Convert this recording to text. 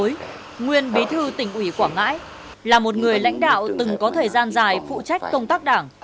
ông phạm đình khuôn nguyên bí thư tỉnh ủy quảng ngãi là một người lãnh đạo từng có thời gian dài phụ trách công tác đảng